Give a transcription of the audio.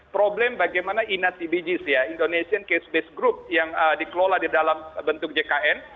problem bagaimana indonesia case based group yang dikelola dalam bentuk jkn